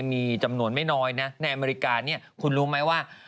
มีจำนวนไม่น้อยนะในอเมริกาเนี่ยคุณรู้ไหมว่า